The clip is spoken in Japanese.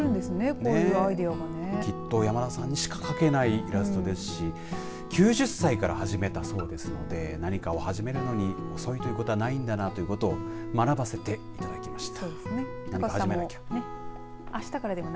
こういうアイデアきっと山田さんにしか描けないイラストですし９０歳から始めたそうですので何かを始めるのに遅いということはないんだということを学ばせていただきました。